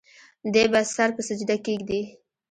دے به سر پۀ سجده کيږدي